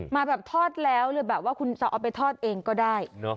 มาแบบทอดแล้วเลยแบบว่าคุณจะเอาไปทอดเองก็ได้